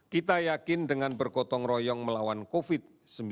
kita yakin dengan bergotong royong melawan covid sembilan belas